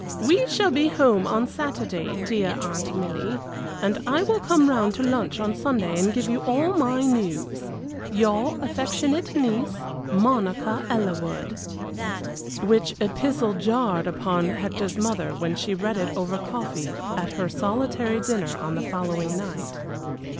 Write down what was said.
We shall be home on Saturday, dear Aunt Milly, and I will come round to lunch on Sunday and give you all my news. "Your affectionate niece, "MONICA ELLERWOOD." Which epistle jarred upon Hector's mother when she read it over coffee at her solitary dinner on the following night.